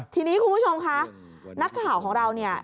ทีนี้คุณผู้ชมคะนักข่าวของเราเนี่ย